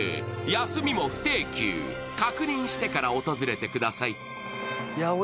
休みも不定休、確認してから訪れてください。